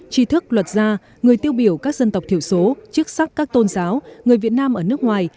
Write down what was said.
tri thức luật gia người tiêu biểu các dân tộc thiểu số chức sắc các tôn giáo người việt nam ở nước ngoài